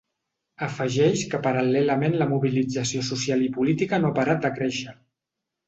Afegeix que paral·lelament la mobilització social i política no ha parat de créixer.